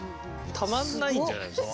たまんないんじゃないですか？